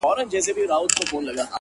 غزل :—- محمودایاز